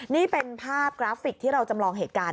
นี่เป็นภาพกราฟิกที่เราจำลองเหตุการณ์